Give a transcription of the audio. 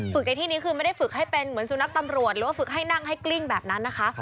ในที่นี้คือไม่ได้ฝึกให้เป็นเหมือนสุนัขตำรวจหรือว่าฝึกให้นั่งให้กลิ้งแบบนั้นนะคะ